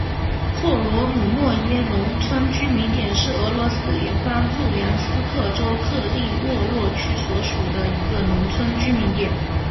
霍罗姆诺耶农村居民点是俄罗斯联邦布良斯克州克利莫沃区所属的一个农村居民点。